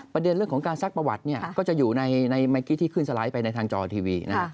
ประเด็นเรื่องของการซักประวัติก็จะอยู่ในเมื่อกี้ที่ขึ้นสไลด์ไปในทางจอทีวี